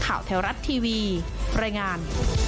แถวรัฐทีวีรายงาน